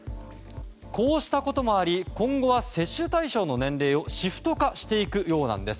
こうしたこともあり今後は、接種対象の年齢をシフト化していくようなんです。